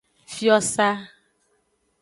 Fiosa.